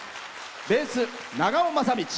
ベース、長尾雅道。